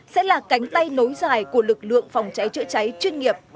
sẽ là cánh tay nối dài của lực lượng phòng cháy chữa cháy chuyên nghiệp